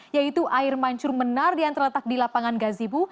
yaitu air mancur menar yang terletak di lapangan gazibu